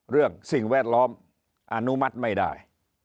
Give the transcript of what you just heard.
สิ่งแวดล้อมอนุมัติไม่ได้